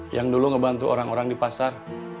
yang dulu ngebantu orang orang di pasar